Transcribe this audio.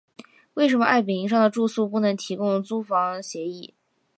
为什么爱迎彼上的住宿不能提供租房协议？